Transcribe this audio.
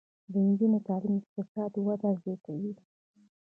د نجونو تعلیم اقتصادي وده زیاتوي.